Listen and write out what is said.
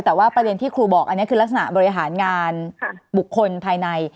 แต่ว่าประเด็นที่ครูบอกอันนี้คือลักษณะบริหารงานบุคคลภายใน